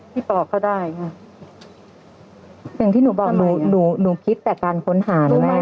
ติดต่อเขาได้ไงอย่างที่หนูบอกหนูหนูหนูคิดแต่การค้นหานะแม่